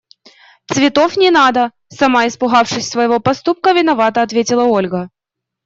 – Цветов не надо! – сама испугавшись своего поступка, виновато ответила Ольга.